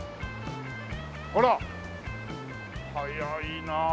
ほら早いなあ。